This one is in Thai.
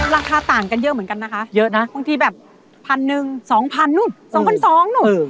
ราคาต่างกันเยอะเหมือนกันนะคะเยอะนะบางทีแบบ๑๐๐๐หนึ่ง๒๐๐๐หนึ่ง๒๒๐๐หนึ่ง